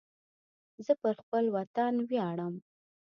زه پر خپل وطن ویاړم